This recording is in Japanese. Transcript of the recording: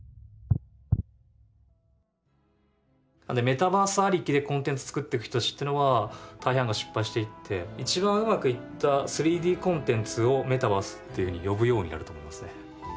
メタバースありきでコンテンツ作ってく人たちっていうのは大半が失敗していって一番うまくいった３Ｄコンテンツをメタバースっていうふうに呼ぶようになると思いますね。